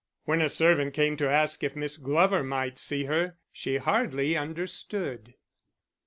When a servant came to ask if Miss Glover might see her, she hardly understood.